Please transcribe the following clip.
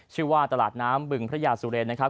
ชื่อว่าตลาดน้ำบึงพระยาสุเรนนะครับ